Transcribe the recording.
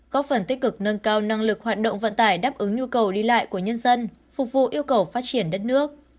có phần tích cực nâng cao năng lực hoạt động vận tải đáp ứng nhu cầu đi lại của nhân dân phục vụ yêu cầu phát triển đất nước